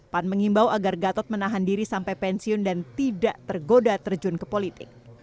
pan mengimbau agar gatot menahan diri sampai pensiun dan tidak tergoda terjun ke politik